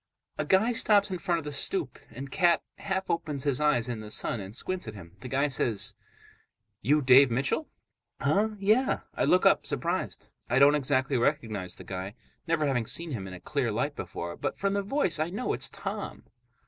A guy stops in front of the stoop, and Cat half opens his eyes in the sun and squints at him. The guy says, "You Dave Mitchell?" "Huh? Yeah." I look up, surprised. I don't exactly recognize the guy, never having seen him in a clear light before. But from the voice I know it's Tom.